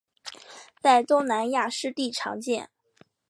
在东南亚湿地常见。